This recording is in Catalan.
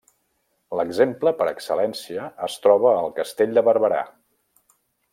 L’exemple per excel·lència es troba al castell de Barberà.